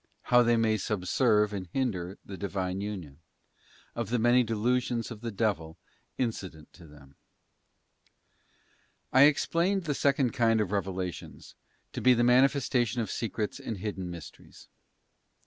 How they may subserve and hinder the Divine union. Of the many delusions of the devil incident to them. I EXPLAINED the second kind of revelations to be the mani festation of secrets and hidden mysteries.